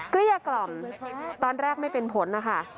เกลี้ยกล่อมตอนแรกไม่เป็นผลนะคะ